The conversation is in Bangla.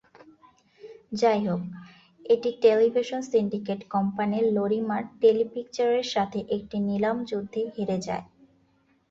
যাইহোক, এটি টেলিভিশন সিন্ডিকেট কোম্পানি লরিমার-টেলিপিকচারের সাথে একটি নিলাম যুদ্ধে হেরে যায়।